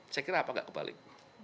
saya kira apa nggak kebalik